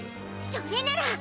それなら！